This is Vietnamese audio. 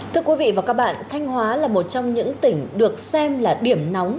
thưa quý vị và các bạn thanh hóa là một trong những tỉnh được xem là điểm nóng